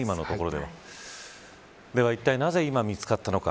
では、いったいなぜ今、見つかったのか。